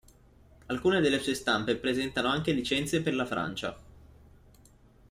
Alcune delle sue stampe presentano anche licenze per la Francia.